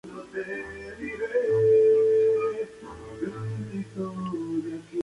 Actualmente es director deportivo del conjunto Polartec-Kometa.